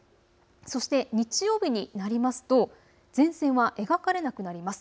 そして日曜日になりますと前線は描かれなくなります。